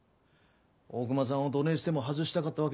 大隈さんをどねえしても外したかったわけでもない。